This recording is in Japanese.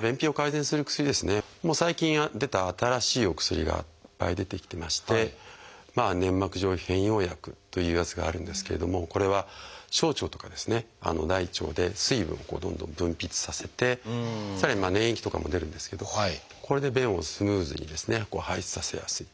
便秘を改善する薬ですね最近出た新しいお薬がいっぱい出てきてまして「粘膜上皮機能変容薬」というやつがあるんですけれどもこれは小腸とか大腸で水分をどんどん分泌させてさらに粘液とかも出るんですけどこれで便をスムーズに排出させやすい。